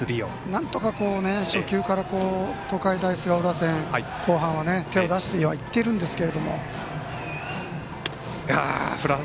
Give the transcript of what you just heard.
なんとか初球から東海大菅生打線、後半は手を出しにはいってるんですが。